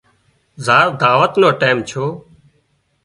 زار دعوت نو ٽيم ڇو